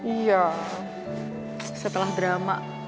iya setelah drama